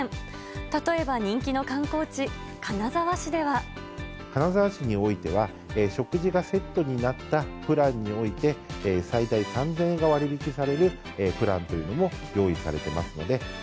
例えば、人気の観光地、金沢市で金沢市においては、食事がセットになったプランにおいて、最大３０００円が割引されるプランというのも用意されていますので。